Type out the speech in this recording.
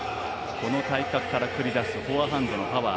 この体格から繰り出すフォアハンドのパワー。